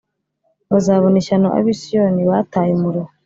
Bazabona ishyano ab’i Siyoni bataye umuruho